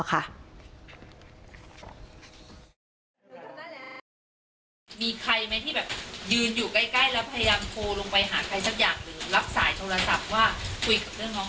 มีใครไหมที่แบบยืนอยู่ใกล้แล้วพยายามโทรลงไปหาใครสักอย่าง